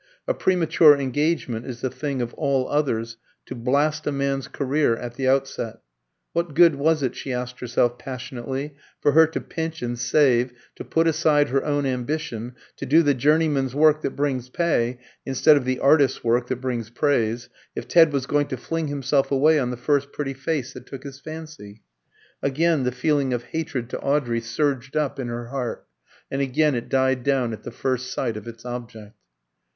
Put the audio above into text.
A premature engagement is the thing of all others to blast a man's career at the outset. What good was it, she asked herself passionately, for her to pinch and save, to put aside her own ambition, to do the journeyman's work that brings pay, instead of the artist's work that brings praise, if Ted was going to fling himself away on the first pretty face that took his fancy? Again the feeling of hatred to Audrey surged up in her heart, and again it died down at the first sight of its object.